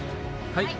はい！